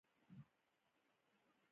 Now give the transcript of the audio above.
د ځمکې نقشه کول د حاصل لپاره ګټور دي.